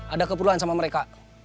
ada keperluan sama mereka